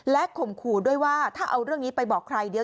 ข่มขู่ด้วยว่าถ้าเอาเรื่องนี้ไปบอกใครเดี๋ยว